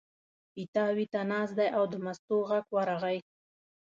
پیتاوي ته ناست دی او د مستو غږ ورغی.